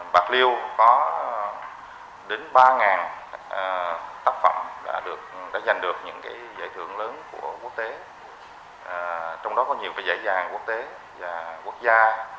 bạc liêu có đến ba tác phẩm đã được giành được những giải thưởng lớn của quốc tế trong đó có nhiều giải quốc tế và quốc gia